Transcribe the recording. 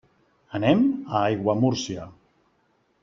Anem a Aiguamúrcia.